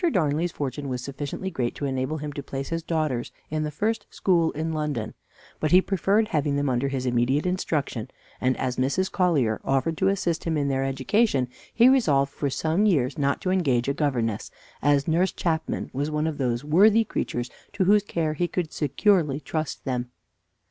Darnley's fortune was sufficiently great to enable him to place his daughters in the first school in London, but he preferred having them under his immediate instruction, and as Mrs. Collier offered to assist him in their education he resolved for some years not to engage a governess, as Nurse Chapman was one of those worthy creatures to whose care he could securely trust them.